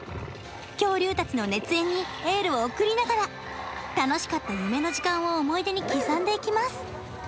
恐竜たちの熱演にエールを送りながら楽しかった夢の時間を思い出に刻んでいきます